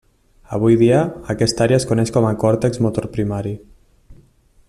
Avui dia, aquesta àrea es coneix com a còrtex motor primari.